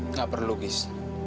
nggak perlu gis